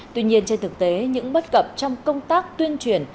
tuy nhiên trên thực tế những bất cập trong công tác tuyên truyền